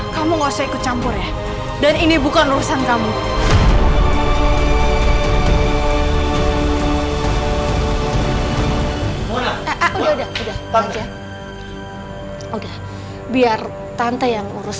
kamu gak mau menurutin semua perintahku dengan tandis